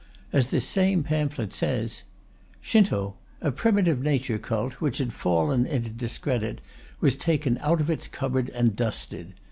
As this same pamphlet says: Shinto, a primitive nature cult, which had fallen into discredit, was taken out of its cupboard and dusted.